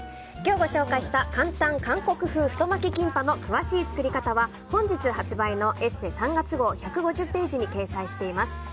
今日ご紹介した簡単韓国風太巻きキンパの詳しい作り方は本日発売の「ＥＳＳＥ」３月号１５０ページに掲載しています。